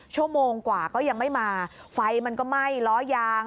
ชั่วโมงกว่าก็ยังไม่มาไฟมันก็ไหม้ล้อยาง